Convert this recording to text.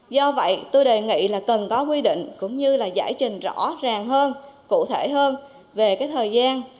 do vậy tôi đề nghị là cần có quy định cũng như là giải trình rõ ràng hơn cụ thể hơn về cái thời gian